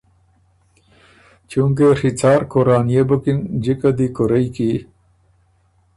چُونکې ڒی څارکورانيې بُکِن جِکه دی کورئ کی